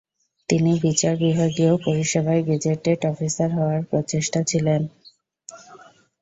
তিনি বিচারবিভাগীয় পরিষেবায় gazetted officer হওয়ার প্রচেষ্টায় ছিলেন।